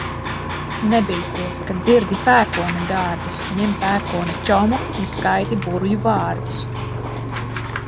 Nebīsties, kad dzirdi pērkona dārdus, ņem pērkona čomu un skaiti burvju vārdus.